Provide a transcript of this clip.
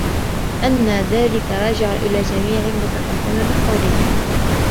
أَنَّ ذَلِكَ رَاجِعٌ إلَى جَمِيعِ مَا تَقَدَّمَ مِنْ قَوْلِهِ